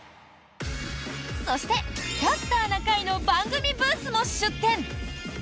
そして「キャスターな会」の番組ブースも出展。